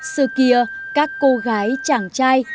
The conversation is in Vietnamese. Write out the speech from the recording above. sư kia các cô gái chàng trai